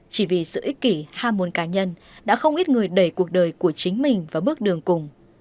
chỉ vì sự ích kỷ ham muốn cá nhân đã không ít người đẩy cuộc đời của chính mình vào bước đường cùng